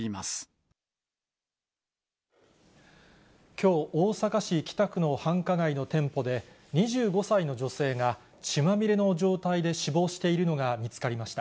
きょう、大阪市北区の繁華街の店舗で、２５歳の女性が血まみれの状態で死亡しているのが見つかりました。